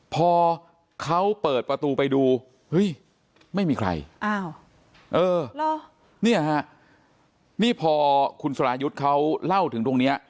พอเขาเปิดประตูไปดูเฮ้ยไม่มีใครเนี่ยฮะนี่พอคุณสรายุทธ์เขาเล่าถึงตรงนี้